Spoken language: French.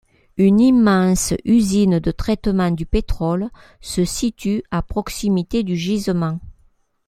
Une immense usine de traitement du pétrole se situe à proximité du gisement.